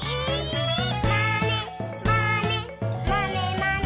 「まねまねまねまね」